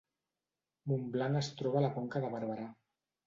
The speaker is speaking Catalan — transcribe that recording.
Montblanc es troba a la Conca de Barberà